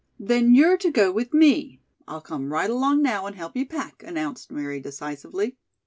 "Then you're to go with me. I'll come right along now and help you pack," announced Mary decisively.